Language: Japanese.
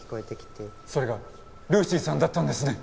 それがルーシーさんだったんですね！？